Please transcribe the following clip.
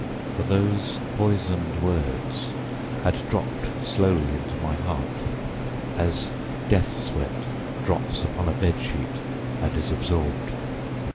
For those poisoned words had dropped slowly into my heart, as death sweat drops upon a bed sheet and is absorbed.